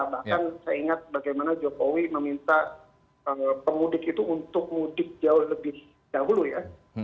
bahkan saya ingat bagaimana jokowi meminta pemudik itu untuk mudik jauh lebih dahulu ya